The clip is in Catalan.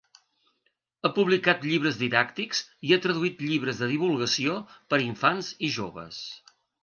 Ha publicat llibres didàctics i ha traduït llibres de divulgació per a infants i joves.